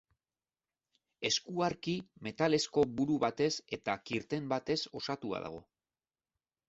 Eskuarki metalezko buru batez eta kirten batez osatua dago.